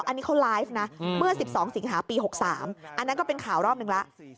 อันนี้เขาไลฟ์นะเมื่อ๑๒สิงหาปี๖๓อันนั้นก็เป็นข่าวรอบหนึ่งแล้ว